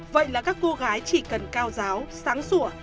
vậy là các cô gái chỉ cần cao giáo sáng sủa